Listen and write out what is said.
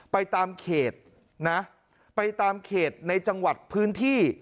ไปตามเขตนะไปตามเขตในจังหวัดพื้นที่